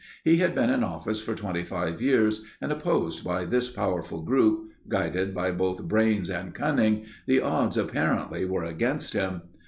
He had been in office for 25 years and opposed by this powerful group, guided by both brains and cunning, the odds apparently were against him.